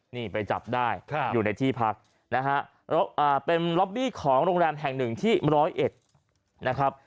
นี่ไปจับได้อยู่ในที่พักนะฮะเป็นล็อบบี้ของโรงแรมแห่งหนึ่งที่ร้อยเอ็ดนะครับ